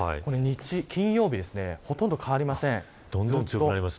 金曜日、ほとんど変わりません。